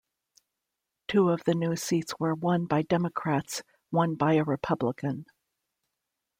Two of the new seats were won by Democrats, one by a Republican.